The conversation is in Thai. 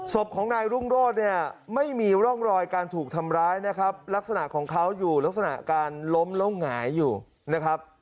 ศพของนายรุ่งโรศนี่ไม่มีร่องรอยการถูกทำร้ายนะครับ